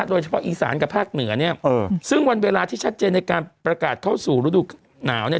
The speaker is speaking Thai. โดยเฉพาะอีสานกับภาคเหนือเนี่ยซึ่งวันเวลาที่ชัดเจนในการประกาศเข้าสู่ฤดูหนาวเนี่ย